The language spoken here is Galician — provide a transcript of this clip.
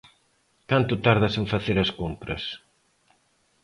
Canto tardas en facer as compras?